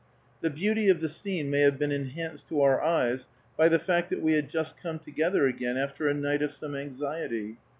The beauty of the scene may have been enhanced to our eyes by the fact that we had just come together again after a night of some anxiety.